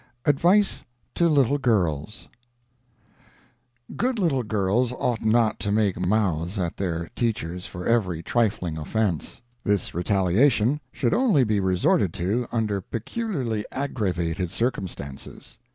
ADVICE TO LITTLE GIRLS Good little girls ought not to make mouths at their teachers for every trifling offense. This retaliation should only be resorted to under peculiarly aggravated circumstances.